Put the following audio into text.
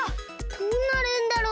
どうなるんだろう？